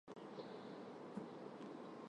Ղրիմի կարաիմերենը հիմնված է կիրիլիցայի վրա (ռուսերենից փոխառված)։